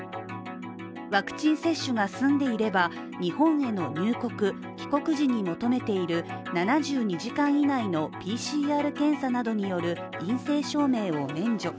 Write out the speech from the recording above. ワクチン接種が済んでいれば日本への入国・帰国時に求めている７２時間以内のＰＣＲ検査などによる陰性証明を免除。